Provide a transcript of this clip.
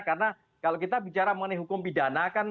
karena kalau kita bicara mengenai hukum bidana kan